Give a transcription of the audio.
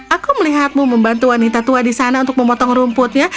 aku melihatmu membantu wanita tua di sana untuk memotong rumputnya